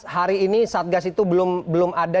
hari ini satgas itu belum ada